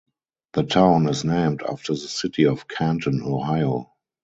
The town is named after the city of Canton, Ohio.